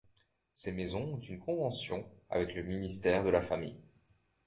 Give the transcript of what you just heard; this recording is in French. Ces maisons ont une convention avec le Ministère de la famille.